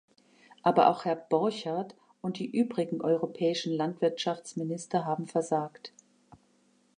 Aber auch Herr Borchert und die übrigen europäischen Landwirtschaftsminister haben versagt.